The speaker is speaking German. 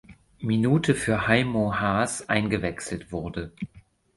Minute für Haymo Haas eingewechselt wurde.